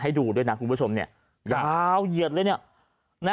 ให้ดูด้วยนะคุณผู้ชมเนี่ยยาวเหยียดเลยเนี่ย